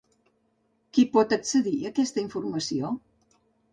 Qui pot accedir a aquesta informació?